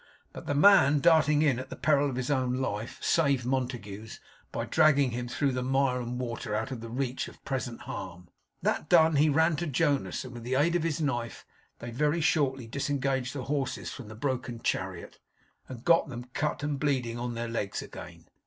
But the man darting in at the peril of his own life, saved Montague's, by dragging him through the mire and water out of the reach of present harm. That done, he ran to Jonas; and with the aid of his knife they very shortly disengaged the horses from the broken chariot, and got them, cut and bleeding, on their legs again.